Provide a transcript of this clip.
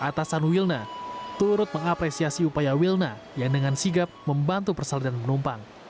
atasan wilna turut mengapresiasi upaya wilna yang dengan sigap membantu persalinan penumpang